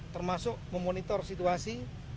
termasuk memonitor situasi